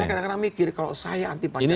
kadang kadang mikir kalau saya anti pancasila